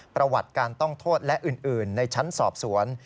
ประวัติการต้องโทษและอื่นในชั้นสอบสวน